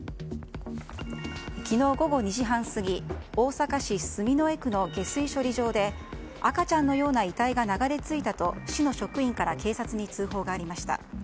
昨日午後２時半過ぎ大阪市住之江区の下水処理場で赤ちゃんのような遺体が流れ着いたと市の職員から警察に通報がありました。